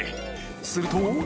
すると